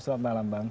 selamat malam bang